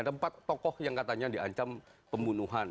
ada empat tokoh yang katanya diancam pembunuhan